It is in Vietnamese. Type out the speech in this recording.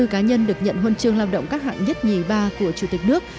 hai mươi cá nhân được nhận huân chương lao động các hạng nhất nhì ba của chủ tịch nước